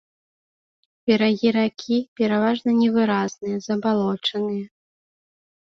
Берагі ракі пераважна невыразныя, забалочаныя.